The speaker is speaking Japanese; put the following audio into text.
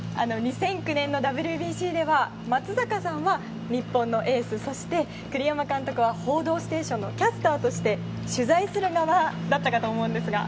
２００９年のＷＢＣでは松坂さんは日本のエースそして栗山監督は「報道ステーション」のキャスターとして取材する側だったかと思うんですが。